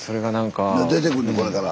スタジオ出てくんねんこれから。